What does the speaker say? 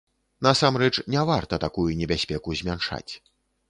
Насамрэч, не варта такую небяспеку змяншаць.